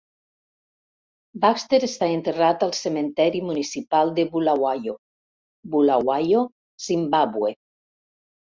Baxter està enterrat al cementeri municipal de Bulawayo, Bulawayo, Zimbàbue.